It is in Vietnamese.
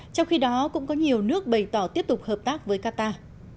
trong khi đó cũng có nhiều nước bày tỏ tiếp tục hợp tác với qatar